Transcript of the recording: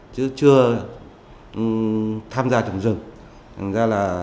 chứ chưa tham gia trồng rừng